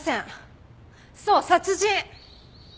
そう殺人！